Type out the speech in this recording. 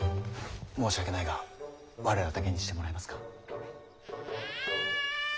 申し訳ないが我らだけにしてもらえますか。